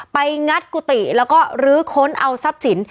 ไปงัดกุฏิแล้วก็รื้อค้นเอาสับจิ้น